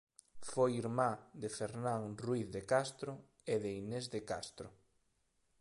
Foi irmá de Fernán Ruiz de Castro e de Inés de Castro.